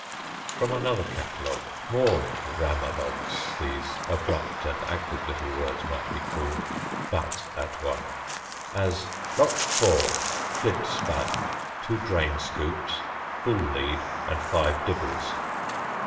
From another catalogue more ram=alogues, these abrupt and active little words might be called, butt at one. As "Lot 4. Flint spud, two drain scoops, bull lead and five dibbles.